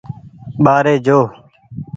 ٻآري جو۔